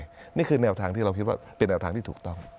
นี่คือแนวทางที่เราคิดว่าเป็นแนวทางที่ถูกต้อง